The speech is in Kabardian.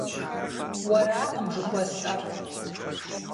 Уэракъым жыхуэсӏэр.